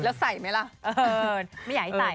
แล้วใส่ไหมล่ะไม่อยากให้ใส่